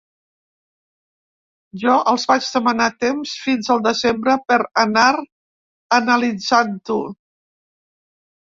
Jo els vaig demanar temps fins al desembre per anar analitzant-ho.